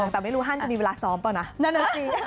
แต่ไม่รู้ฮั่นจะมีเวลาซ้อมเปล่านะ